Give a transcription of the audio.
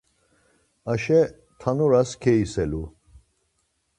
Aşe tanuras keiselu.